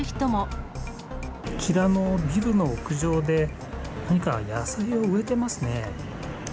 あちらのビルの屋上で、何か野菜を植えてますね。